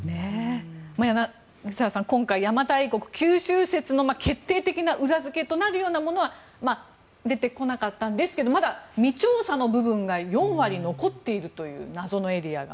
柳澤さん、今回邪馬台国九州説の決定的な裏付けとなるようなものは出てこなかったんですがまだ未調査の部分が４割残っているという謎のエリアが。